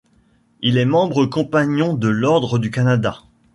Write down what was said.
Il est membre compagnon de l'Ordre du Canada.